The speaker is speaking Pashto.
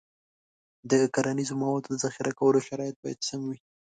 د کرنیزو موادو د ذخیره کولو شرایط باید سم وي.